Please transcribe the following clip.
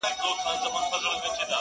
شېخ سره وښورېدی زموږ ومخته کم راغی ـ